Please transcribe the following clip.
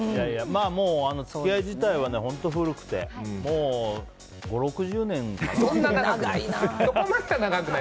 もう付き合い自体は本当に古くてもう５０６０年かな。